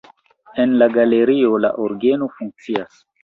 En la galerio la orgeno funkcias.